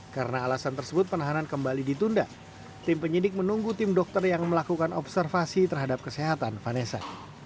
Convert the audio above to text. karena alasan tersebut penahanan kembali ditunda tim penyidik menunggu tim dokter yang melakukan observasi terhadap kesehatan vanessa